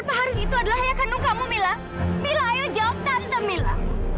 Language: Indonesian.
apa bener mila